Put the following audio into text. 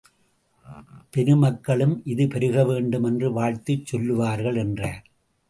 பெரு மக்களும் இது பெருகவேண்டுமென்று வாழ்த்துச் சொல்வார்கள் என்றார்.